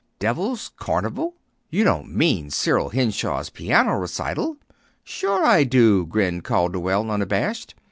"Devil's carnival! You don't mean Cyril Henshaw's piano recital!" "Sure I do," grinned Calderwell, unabashed.